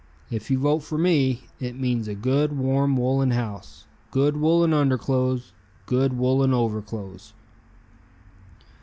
If you vote for me, it means a good, warm woolen house, good woolen underclothes, good woolen overclothes."